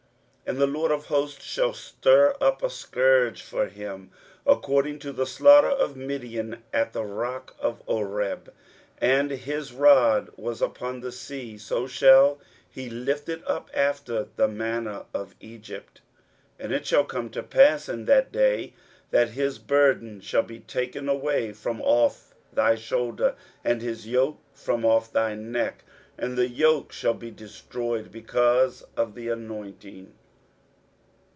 23:010:026 And the LORD of hosts shall stir up a scourge for him according to the slaughter of Midian at the rock of Oreb: and as his rod was upon the sea, so shall he lift it up after the manner of Egypt. 23:010:027 And it shall come to pass in that day, that his burden shall be taken away from off thy shoulder, and his yoke from off thy neck, and the yoke shall be destroyed because of the anointing.